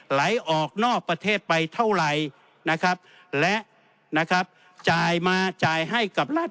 ไหลออกนอกประเทศไปเท่าไหร่นะครับและนะครับจ่ายมาจ่ายให้กับรัฐ